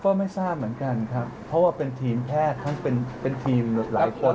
ก็ไม่ทราบเหมือนกันครับเพราะว่าเป็นทีมแพทย์ทั้งเป็นทีมหลายคน